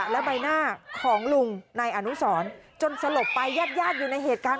และใบหน้าของลุงนายอนุสรจนสลบไปญาติญาติอยู่ในเหตุการณ์